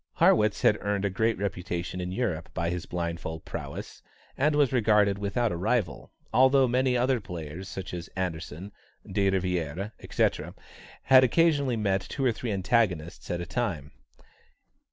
Harrwitz had earned a great reputation in Europe by his blindfold prowess, and was regarded without a rival, although many other players, such as Anderssen, De Rivière, etc., had occasionally met two or three antagonists at a time.